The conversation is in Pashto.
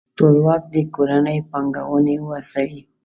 ټولواک دې کورني پانګوونکي وهڅوي.